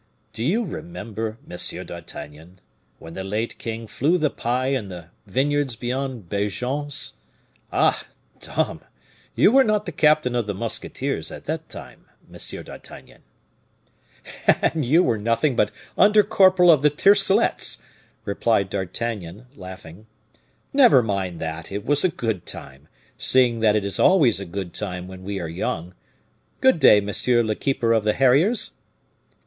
"Do you remember, Monsieur d'Artagnan, when the late king flew the pie in the vineyards beyond Beaugence? Ah! dame! you were not the captain of the musketeers at that time, Monsieur d'Artagnan." "And you were nothing but under corporal of the tiercelets," replied D'Artagnan, laughing. "Never mind that, it was a good time, seeing that it is always a good time when we are young. Good day, monsieur the keeper of the harriers."